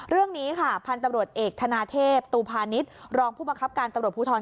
เรื่องนี้ค่ะพันธุ์ตำรวจเอกธนาเทพตูพาณิชย์รองผู้บังคับการตำรวจภูทร